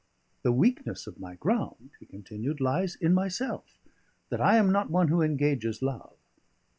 The weakness of my ground," he continued, "lies in myself, that I am not one who engages love.